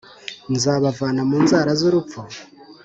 nzabavana mu nzara z’Urupfu?